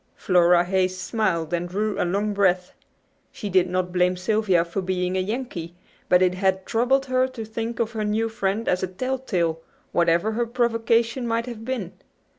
Flora Hayes smiled and drew a long breath. She did not blame Sylvia for being a "Yankee," but it had troubled her to think of her new friend as a "telltale," whatever her provocation might have been.